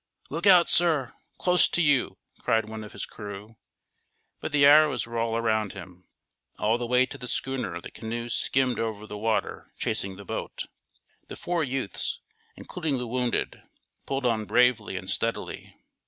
"Look out, sir! close to you," cried one of his crew. But the arrows were all around him. All the way to the schooner the canoes skimmed over the water chasing the boat. The four youths, including the wounded, pulled on bravely and steadily.